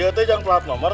yaudah jangan pelat lomar